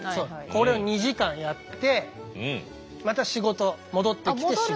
これを２時間やってまた仕事戻ってきて仕事。